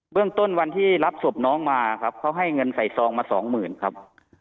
เรื่องต้นวันที่รับศพน้องมาครับเขาให้เงินใส่ซองมาสองหมื่นครับ